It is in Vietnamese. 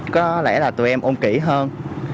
có lẽ là tụi em ôn kỹ hơn